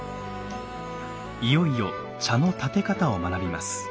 いよいよ茶の点て方を学びます。